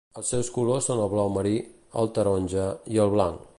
Els seus colors són el blau marí, el taronja i el blanc.